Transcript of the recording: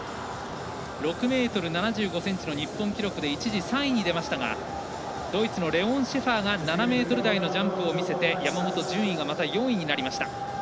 ６ｍ７５ｃｍの日本記録で一時３位に出ましたがドイツのレオン・シェファーが７ｍ台のジャンプを見せて山本順位がまた４位になりました。